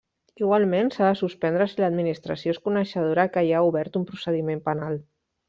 Igualment, s'ha de suspendre si l'administració és coneixedora que hi ha obert un procediment penal.